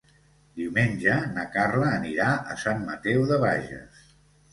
Diumenge na Carla anirà a Sant Mateu de Bages.